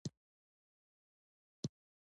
آب وهوا د افغانانو ژوند په کلکه اغېزمنوي.